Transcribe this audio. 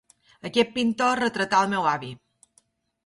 Aquest pintor retratà el meu avi.